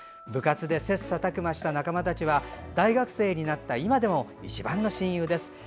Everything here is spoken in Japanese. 部活で切さたく磨した仲間たちは大学生になった今でも一番の親友です。